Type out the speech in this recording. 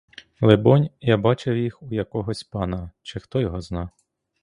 Либонь я бачив їх у якогось пана, чи хто його зна.